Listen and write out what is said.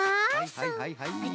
はいはいはいはい。